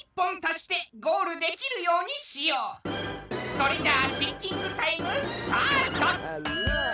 それじゃあシンキングタイムスタート！